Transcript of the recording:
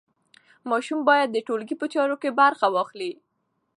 ماشوم باید د ټولګي په چارو کې برخه واخلي.